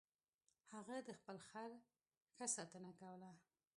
هغه د خپل خر ښه ساتنه کوله.